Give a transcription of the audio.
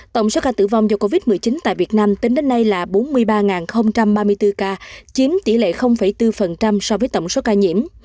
tổng số ca tử vong do covid một mươi chín tại việt nam tính đến nay là bốn mươi ba ba mươi bốn ca chiếm tỷ lệ bốn so với tổng số ca nhiễm